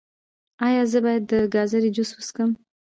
ایا زه باید د ګازرې جوس وڅښم؟